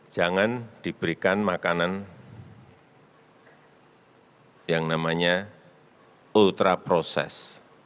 jangan diberikan makanan yang namanya ultra process